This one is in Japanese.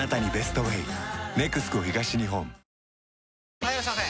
・はいいらっしゃいませ！